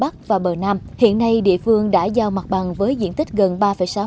cảm ơn các bạn đã theo dõi